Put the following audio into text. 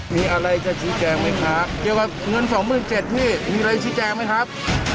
มีอะไรจะชี้แจมั้ยคะเกี่ยวกับเงิน๒๗นี่มีอะไรชี้แจมั้ยครับ